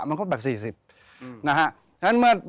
เหมือนเล็บแต่ของห้องเหมือนเล็บตลอดเวลา